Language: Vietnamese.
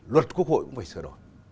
luật quốc hội cũng phải sửa đổi